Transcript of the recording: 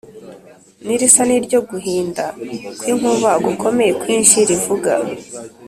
n’irisa n’iryo guhinda kw’inkuba gukomeye kwinshi rivuga